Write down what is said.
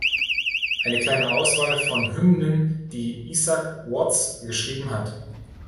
Eine kleine Auswahl von Hymnen, die Isaac Watts geschrieben hat.